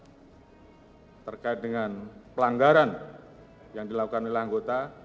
saya juga berharap dengan pelanggaran yang dilakukan oleh anggota